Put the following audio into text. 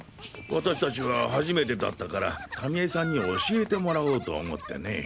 私たちは初めてだったからタミ江さんに教えてもらおうと思ってね。